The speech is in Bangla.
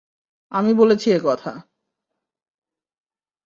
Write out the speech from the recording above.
আমি বলেছি একথা।